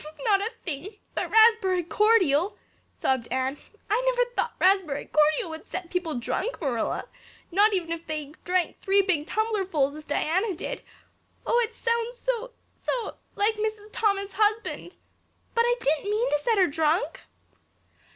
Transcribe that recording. "Not a thing but raspberry cordial," sobbed Anne. "I never thought raspberry cordial would set people drunk, Marilla not even if they drank three big tumblerfuls as Diana did. Oh, it sounds so so like Mrs. Thomas's husband! But I didn't mean to set her drunk."